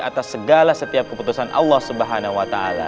atas segala setiap keputusan allah swt